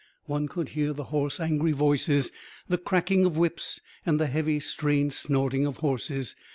One could hear the hoarse angry voices, the cracking of whips, and the heavy, strained snorting of horses.